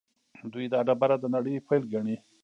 دوی دا ډبره د نړۍ پیل ګڼي.